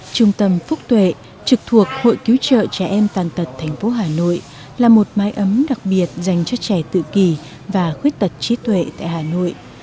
trung tâm phúc tuệ trực thuộc hội cứu trợ trẻ em tàn tật tp hà nội là một mái ấm đặc biệt dành cho trẻ tự kỳ và khuyết tật trí tuệ tại hà nội